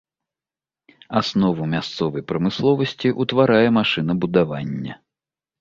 Аснову мясцовай прамысловасці ўтварае машынабудаванне.